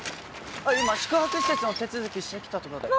今宿泊施設の手続きしてきたとこで。